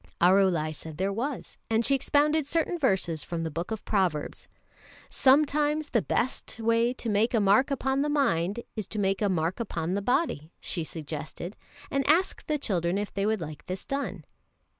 Arulai said there was, and she expounded certain verses from the Book of Proverbs. "Sometimes the best way to make a mark upon the mind is to make a mark upon the body," she suggested, and asked the children if they would like this done.